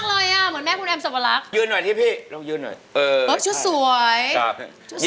สามคนนี้รวมกันนี่พันอย่างนี้